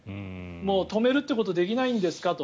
止めるってことができないんですかと。